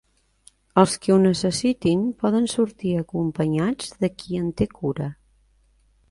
Els qui ho necessitin poden sortir acompanyats de qui en té cura.